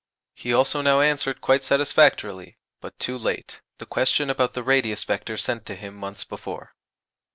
He also now answered quite satisfactorily, but too late, the question about the radius vector sent to him months before.